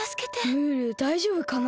ムールだいじょうぶかな？